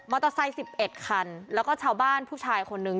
เตอร์ไซค์๑๑คันแล้วก็ชาวบ้านผู้ชายคนนึง